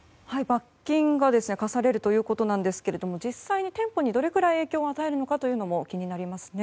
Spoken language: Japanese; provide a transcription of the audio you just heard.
罰金が科されるということなんですが実際に店舗にどれくらい影響を与えるのかも気になりますね。